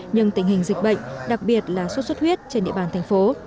nhưng tình hình dịch bệnh đặc biệt là suốt suốt huyết trên địa bàn thành phố